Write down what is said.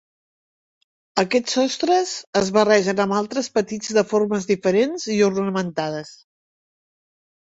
Aquests sostres es barregen amb altres petits de formes diferents i ornamentades.